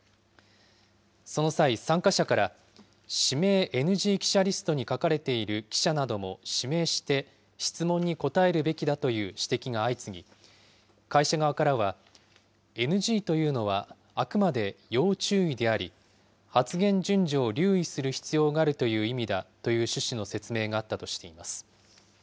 その際、参加者から、指名ＮＧ記者リストに書かれている記者なども指名して、質問に答えるべきだという指摘が相次ぎ、会社側からは、ＮＧというのはあくまで要注意であり、発言順序を留意する必要があるという意味だという趣旨の説明があったとしています。